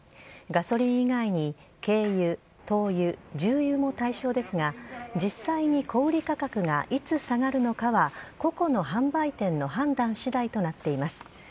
ガソリン以外に軽油、灯油、重油も対象ですが、実際に小売り価格がいつ下がるのかは、個々の販売店の判断しだいとなっています。